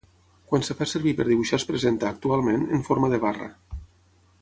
Quan es fa servir per dibuixar es presenta, actualment, en forma de barra.